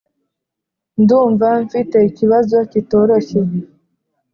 ndumva mfite ikibazo kitoroshye